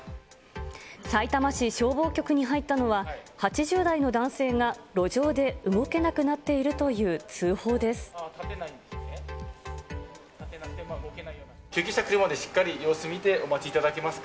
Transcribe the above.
さいたま市消防局に入ったのは、８０代の男性が路上で動けなくなっているという通報です。